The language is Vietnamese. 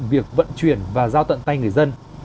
việc vận chuyển và giao tận tay người dân